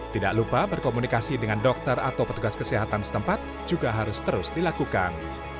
tidak lupa berkomunikasi dengan dokter atau petugas kesehatan setempat juga harus terus dilakukan